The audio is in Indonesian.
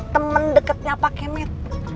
temen deketnya pak kemet